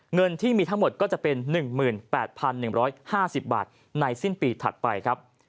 เงินที่มีทั้งหมดก็จะเป็น๑๘๑๕๐บาทในสิ้นปีถัดไปครับ